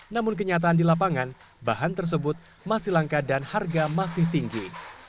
namun kenyataan di lapangan bahan tersebut masih langka dan harga masih tinggi